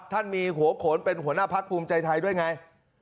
ท่านมีหัวโขนเป็นหัวหน้าพักภูมิใจไทยด้วยไง